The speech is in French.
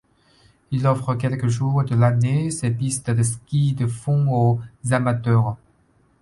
Il offre quelques jours de l'année ses pistes de ski de fond aux amateurs.